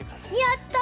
やった！